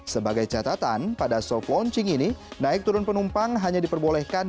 sebagai catatan pada soft launching ini naik turun penumpang hanya diperbolehkan